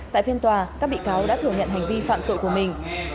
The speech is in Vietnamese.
tại phiên tòa các bị cáo đã thử nhận hành vi phạm tội của mình